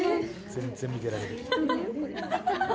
全然見てられる。